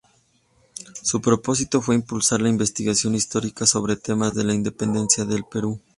Su propósito fue impulsar la investigación histórica sobre temas de la Independencia del Perú.